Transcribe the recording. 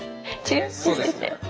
そうですね。